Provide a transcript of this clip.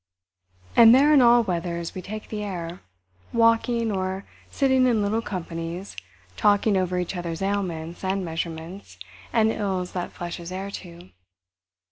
And there in all weathers we take the air—walking, or sitting in little companies talking over each other's ailments and measurements and ills that flesh is heir to.